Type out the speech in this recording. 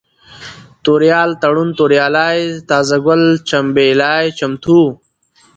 توريال ، تړون ، توريالی ، تازه گل ، چمبېلى ، چمتو